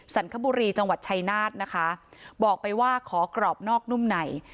ันคบุรีจังหวัดชายนาฏนะคะบอกไปว่าขอกรอบนอกนุ่มไหน